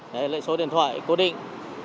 lại số điện thoại cố định